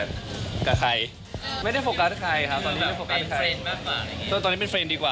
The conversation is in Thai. ไม่ได้โฟกัสใครอะครับตอนนี้ไม่ได้โฟกัสใครเป็นเฟรนด์มากมากอย่างงี้ตอนนี้เป็นเฟรนด์ดีกว่า